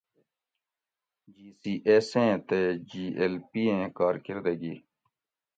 جی سی ایس ایں تے جی ایل پی ایں کارکردگی